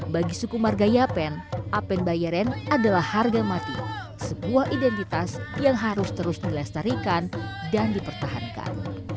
bagi suku marga yapen apen bayaran adalah harga mati sebuah identitas yang harus terus dilestarikan dan dipertahankan